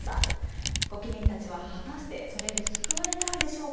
御家人たちは果たしてそれで救われたんでしょうか。